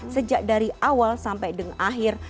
sejak dari awal sampai akhir